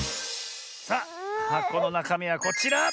さあはこのなかみはこちら！